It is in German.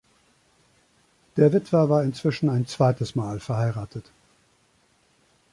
Der Witwer war inzwischen ein zweites Mal verheiratet.